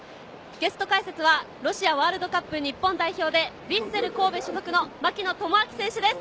ゲスト解説はロシアワールドカップ日本代表で、ヴィッセル神戸所属の槙野智章選手です。